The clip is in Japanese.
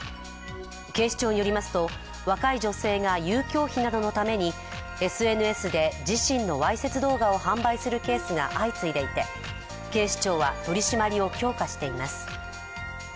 警視庁によりますと、若い女性が遊興費などのために、ＳＮＳで自身のわいせつ動画を販売するケースが相次いでいて警視庁は取り締まりを強化しています。